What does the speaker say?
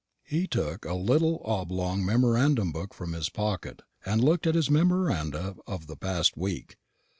He took a little oblong memorandum book from his pocket, and looked at his memoranda of the past week.